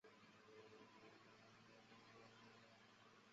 赵氏红芝麻蜗牛为芝麻蜗牛科芝麻蜗牛属下的一个种。